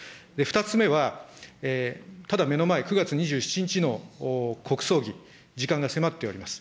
２つ目は、ただ目の前、９月２７日の国葬儀、時間が迫ってはいます。